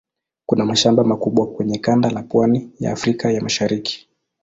Kuna mashamba makubwa kwenye kanda la pwani ya Afrika ya Mashariki.